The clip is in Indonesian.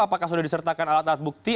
apakah sudah disertakan alat alat bukti